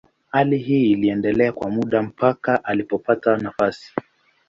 Hali hii iliendelea kwa muda mpaka alipopata nafasi.